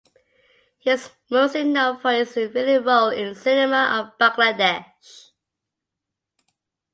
He is mostly known for his villain role in Cinema of Bangladesh.